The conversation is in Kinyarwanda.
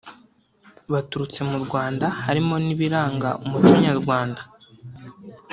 baturutse mu Rwanda harimo n’ibiranga umuco Nyarwanda